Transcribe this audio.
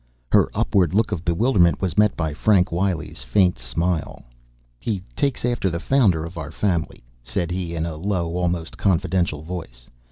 Her upward look of bewilderment was met by Frank Wiley's faint smile. "He takes after the founder of our family," said he in a low, almost confidential voice.